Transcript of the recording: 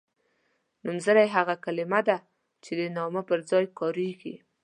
نومځری هغه کلمه ده چې د نامه پر ځای کاریږي.